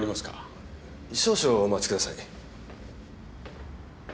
少々お待ちください。